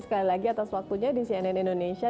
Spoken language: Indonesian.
sekali lagi atas waktunya di cnn indonesia